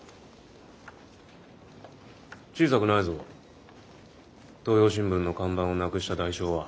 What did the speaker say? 小さくないぞ「東洋新聞」の看板をなくした代償は。